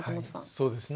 そうですね。